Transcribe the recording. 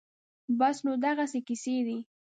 بس نو دغسې قېصې دي